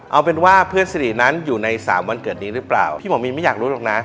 เอาเป็นว่าเพื่อนสนิทนั้นอยู่ในสามวันเกิดนี้หรือเปล่าพี่หมอมีนไม่อยากรู้หรอกนะ